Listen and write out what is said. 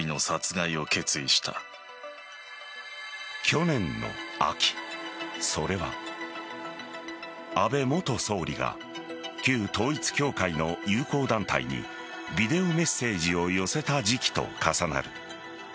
去年の秋、それは安倍元総理が旧統一教会の友好団体にビデオメッセージを寄せた時期と重なる。